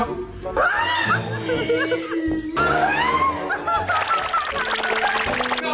เออเริ่มแล้ว